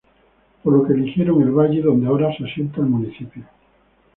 Por lo que eligieron el valle donde ahora se asienta el municipio.